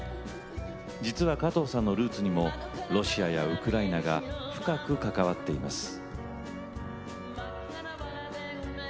実は、加藤さんのルーツにもロシアやウクライナが深く関わっています。